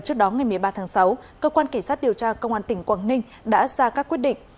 trước đó ngày một mươi ba tháng sáu cơ quan kỳ sát điều tra công an tỉnh quảng ninh đã ra các quyết định